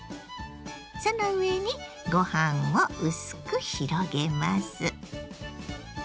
その上にご飯を薄く広げます。